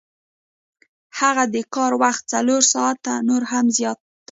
هغه د کار وخت څلور ساعته نور هم زیاتوي